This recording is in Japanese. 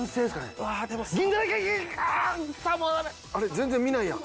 全然見ないやん。